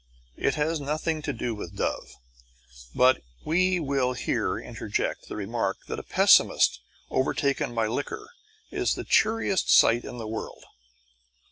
It has nothing to do with Dove, but we will here interject the remark that a pessimist overtaken by liquor is the cheeriest sight in the world.